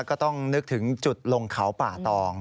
ก็ต้องนึกถึงจุดลงเขาป่าตอง